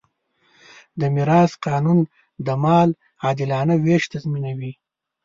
د میراث قانون د مال عادلانه وېش تضمینوي.